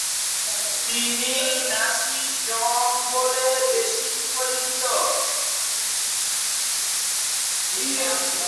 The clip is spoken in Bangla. তিনি নাসির জং বলে বেশি পরিচিত।